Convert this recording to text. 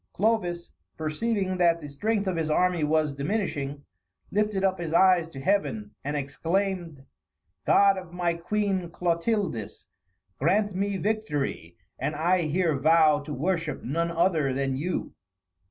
Clovis, perceiving that the strength of his army was diminishing, lifted up his eyes to Heaven, and exclaimed, "God of my Queen Clotildis, grant me victory, and I here vow to worship none other than you."